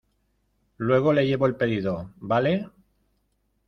luego le llevo el pedido, ¿ vale?